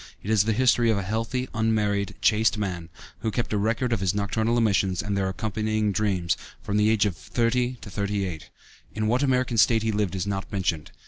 It is the history of a healthy, unmarried, chaste man, who kept a record of his nocturnal emissions (and their accompanying dreams) from the age of thirty to thirty eight. In what American State he lived is not mentioned.